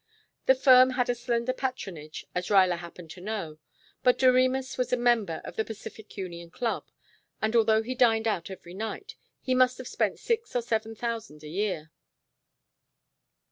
The firm had a slender patronage, as Ruyler happened to know, but Doremus was a member of the Pacific Union Club, and although he dined out every night, he must have spent six or seven thousand a year.